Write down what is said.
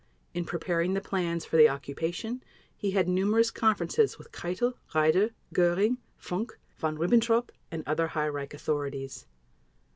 In preparing the plans for the occupation, he had numerous conferences with Keitel, Raeder, Göring, Funk, Von Ribbentrop, and other high Reich authorities.